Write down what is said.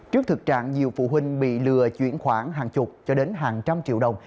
trước thực trạng nhiều phụ huynh bị lừa chuyển khoản hàng chục cho đến hàng trăm triệu đồng